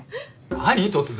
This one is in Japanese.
何突然。